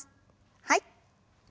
はい。